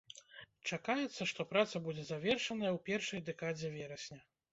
Чакаецца, што праца будзе завершаная ў першай дэкадзе верасня.